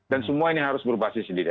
dan semua ini harus berbasis